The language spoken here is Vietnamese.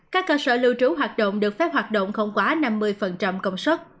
các cơ sở lưu trú hoạt động được phép hoạt động không quá năm mươi công suất